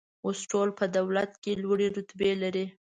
اوس ټول په دولت کې لوړې رتبې لري.